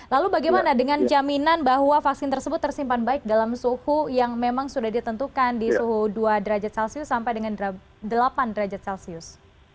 lalu bagaimana dengan jaminan bahwa vaksin tersebut tersimpan baik dalam suhu yang memang sudah ditentukan di suhu dua derajat celcius sampai dengan delapan derajat celcius